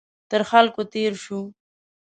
تر خلکو تېر شو.